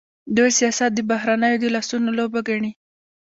دوی سیاست د بهرنیو د لاسونو لوبه ګڼي.